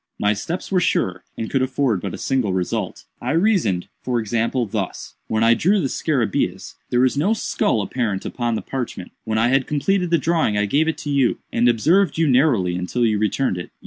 My steps were sure, and could afford but a single result. I reasoned, for example, thus: When I drew the scarabæus, there was no skull apparent upon the parchment. When I had completed the drawing I gave it to you, and observed you narrowly until you returned it.